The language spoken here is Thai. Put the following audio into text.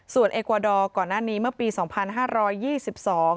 ส่วนเอกวาดอร์ก่อนหน้านี้เมื่อปีสองพันห้าร้อยยี่สิบสอง